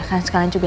cicit yang antar